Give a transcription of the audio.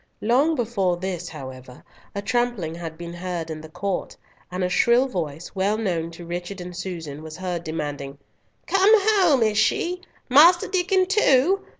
Long before this, however, a trampling had been heard in the court, and a shrill voice, well known to Richard and Susan, was heard demanding, "Come home, is she—Master Diccon too?